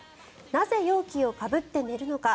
なぜ、容器をかぶって寝るのか。